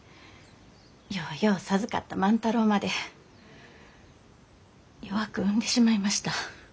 ようよう授かった万太郎まで弱く産んでしまいました。